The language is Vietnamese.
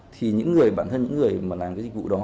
thì những người bản thân những người mà làm cái dịch vụ đó